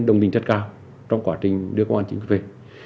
đồng minh chất cao trong quá trình đưa công an chính quy về